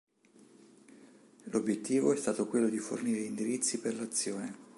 L'obiettivo è stato quello di fornire indirizzi per l'azione.